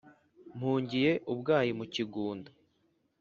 mpungiye ubwayi mukigunda